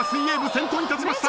先頭に立ちました！